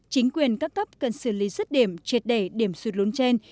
chính quyền các cấp cần xử lý rất điểm triệt đẩy điểm sụt lún trên